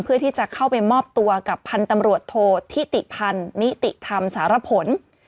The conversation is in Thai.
เพื่อที่จะเข้าไปมอบตัวกับพันธุ์ตำรวจโทษธิติพันธ์นิติธรรมสารผล